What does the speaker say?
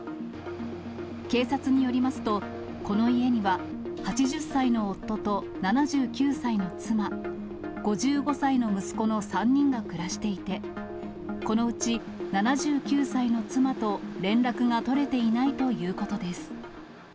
警察によりますと、この家には８０歳の夫と７９歳の妻、５５歳の息子の３人が暮らしていて、このうち７９歳の妻と連絡が取れていないということです。